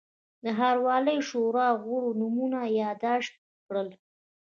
د ښاروالۍ شورا غړو نومونه یاداشت کړل.